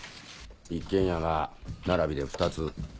一軒家が並びで２つ。